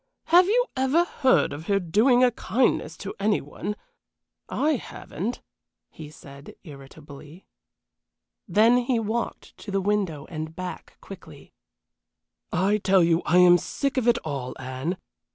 Have you ever heard of her doing a kindness to any one? I haven't!" he said, irritably. Then he walked to the window and back quickly. "I tell you I am sick of it all, Anne.